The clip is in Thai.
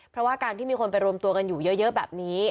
เพราะว่าการที่มีคนไปรวมตัวกันอยู่เยอะแบบนี้